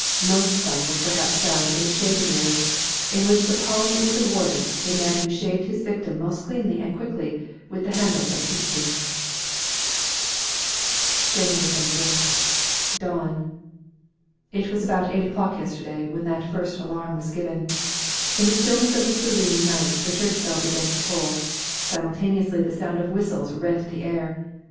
Most fun was perhaps found in the shaving race, in which the palm was awarded to the man who shaved his victim most cleanly and quickly with the handle of a teaspoon. January 24th, Dawn. It was about eight o'clock yesterday that the first alarm was given. In the stillness of the serene night the church bell began to toll; simultaneously the sound of whistles rent the air.